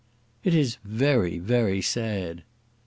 "It is very very sad."